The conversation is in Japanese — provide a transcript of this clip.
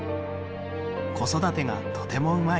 子育てがとてもうまい。